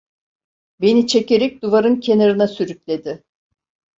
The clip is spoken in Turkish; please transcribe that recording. Beni çekerek duvarın kenarına sürükledi.